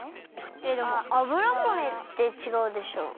えっでもあぶらぼねってちがうでしょ。